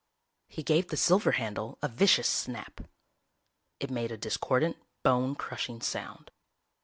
He gave the silver handle a vicious snap. It made a discordant, bone crushing sound.